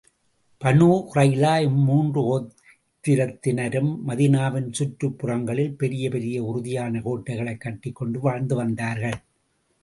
Banu குறைலா இம்முன்று கோத்திரத்தினரும் மதீனாவின் சுற்றுப்புறங்களில் பெரிய பெரிய உறுதியான கோட்டைகளைக் கட்டிக் கொண்டு வாழ்ந்து வந்தார்கள்.